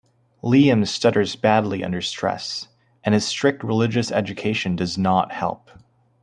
Liam stutters badly under stress, and his strict religious education does not help.